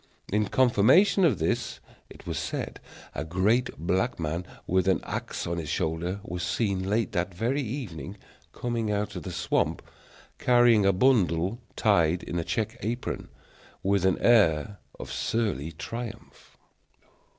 In confirmation of this, it was said a great black man, with an axe on his shoulder, was seen late that very evening coming out of the swamp, carrying a bundle tied in a check apron, with an air of surly triumph.